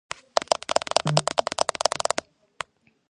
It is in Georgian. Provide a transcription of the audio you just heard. ყოველ შაბათ-კვირას ორი წამყვანი მსოფლიოს სხვადასხვა ქვეყანაში მიემგზავრება.